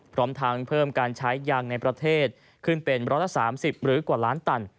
พร้อมทางเพิ่มการใช้ยางในประเทศขึ้นเป็น๑๓๐หรือกว่าล้านตัน